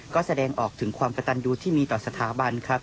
ก็แสดงออกถึงความกระตันยูที่มีต่อสถาบันครับ